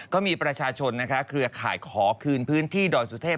ก็มีประชาชนนะคะเครือข่ายขอคืนพื้นที่ดอยสุเทพ